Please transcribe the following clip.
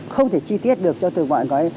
không thể chi tiết được cho từ ngoại